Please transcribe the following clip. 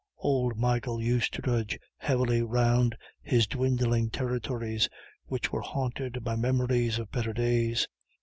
Old Michael used to trudge heavily round his dwindling territories, which were haunted by memories of better days.